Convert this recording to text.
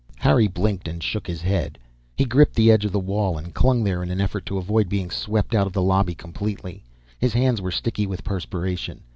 Harry blinked and shook his head. He gripped the edge of the wall and clung there in an effort to avoid being swept out of the lobby completely. His hands were sticky with perspiration.